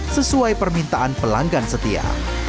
sesuai permintaan pelanggan setia